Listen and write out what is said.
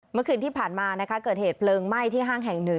เมื่อคืนที่ผ่านมานะคะเกิดเหตุเพลิงไหม้ที่ห้างแห่ง๑